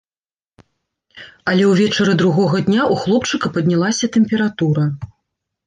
Але ўвечары другога дня ў хлопчыка паднялася тэмпература.